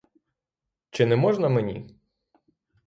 Чи не можна мені?